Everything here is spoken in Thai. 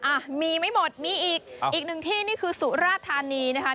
อ่ะมีไม่หมดมีอีกอีกหนึ่งที่นี่คือสุราธานีนะคะ